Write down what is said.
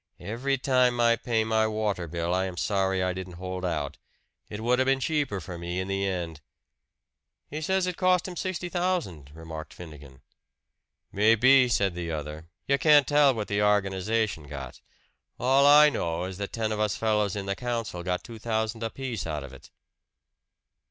Every time I pay my water bill I am sorry I didn't hold out. It would have been cheaper for me in the end." "He says it cost him sixty thousand," remarked Finnegan. "Maybe," said the other. "You can't tell what the organization got. All I know is that ten of us fellows in the council got two thousand apiece out of it."